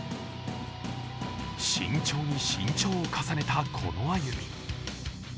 慎重に慎重を重ねた、この歩み。